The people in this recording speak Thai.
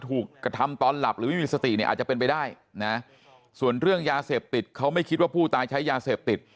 ถูกกระทำตอนหลับหรือไม่มีสติเนี่ยอาจจะเป็นไปได้นะส่วนเรื่องยาเสพติดเขาไม่คิดว่าผู้ตายใช้ยาเสพติด